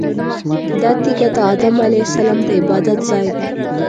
دا تیږه د ادم علیه السلام د عبادت ځای دی.